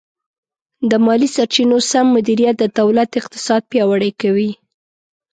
د مالي سرچینو سم مدیریت د دولت اقتصاد پیاوړی کوي.